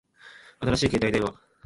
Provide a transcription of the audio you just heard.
新しい携帯電話